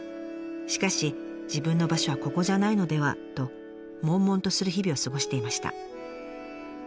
しかし自分の場所はここじゃないのではともんもんとする日々を過ごしていました。